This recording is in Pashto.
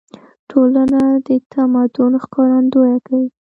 ټولنه د تمدن ښکارندويي کوي.